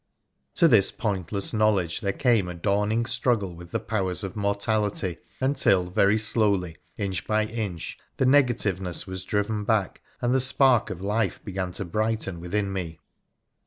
To this pointless knowledge there came a dawning struggle with the powers of mortality, until very slowly, inch by inch, the negativeness was driven back, and the spark of life began to brighten within me.